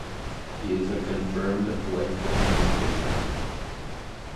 He is a confirmed lifelong Wednesday fan.